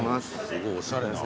すごいおしゃれな。